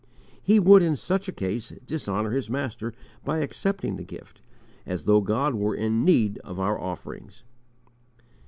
He would in such a case dishonour his Master by accepting the gift, as though God were in need of our offerings.